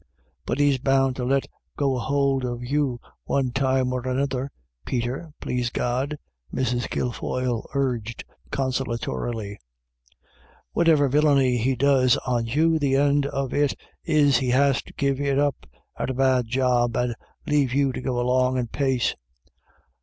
" But he's bound to let go a hould of you one time or another, Peter, plase God," Mrs. Kilfoyle urged consolatorily, " whativer villiany he does on you, the end of it is he has to give it up as a bad job, and lave you to go along in paice."